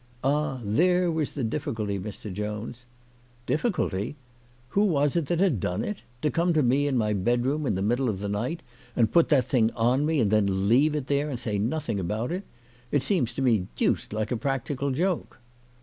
" Ah ! there was the difficulty, Mr. Jones." " Difficulty ! "Who was it that had done it ? To come to me, in my bedroom, in the middle of the night, and put that thing on me, and then leave it there and say nothing about it ! It seems to me deuced like a, practical joke."